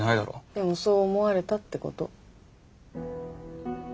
でもそう思われたってこと。